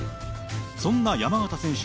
そんな山縣選手